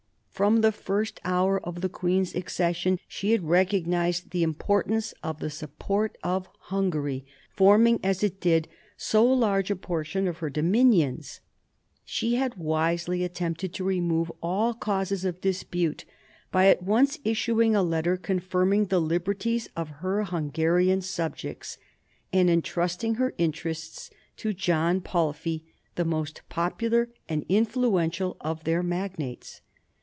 From the first hour of the queen's accession she had recognised the importance of the support of Hungary, forming as it did so large a portion of her dominions. She had wisely attempted to remove all causes of dispute by at once issuing a letter confirming the liberties of her Hungarian subjects, and entrusting her interests to John Palffy, the most popular and influential of their magnates.